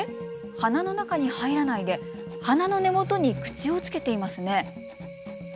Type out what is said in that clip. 花の中に入らないで花の根元に口をつけていますね。